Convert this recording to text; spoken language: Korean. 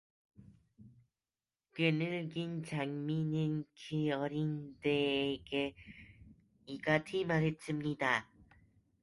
그 늙은 장님은 그 어린애에게 이같이 말했습니다.